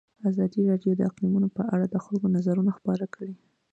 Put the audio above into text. ازادي راډیو د اقلیتونه په اړه د خلکو نظرونه خپاره کړي.